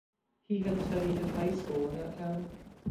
He had studied at high school in that town.